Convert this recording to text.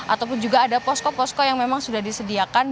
ataupun juga ada posko posko yang memang sudah disediakan